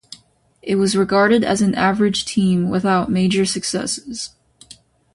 It was regarded as an average team, without major successes.